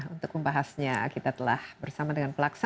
untuk pembahasannya kita telah bersama dengan pelaksanaan